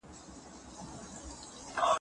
خبر نه یم دا ډېر له یوه څله وېرېدل؟